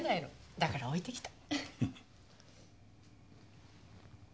だから置いてきた。